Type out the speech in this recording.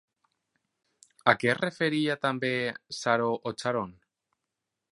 A què es referia també Saró o Xaron?